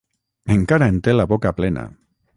Encara en té la boca plena.